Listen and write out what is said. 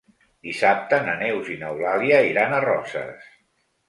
Dissabte na Neus i n'Eulàlia iran a Roses.